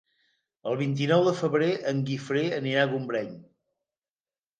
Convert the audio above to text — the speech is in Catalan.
El vint-i-nou de febrer en Guifré anirà a Gombrèn.